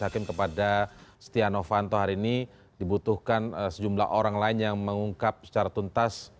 hakim kepada setia novanto hari ini dibutuhkan sejumlah orang lain yang mengungkap secara tuntas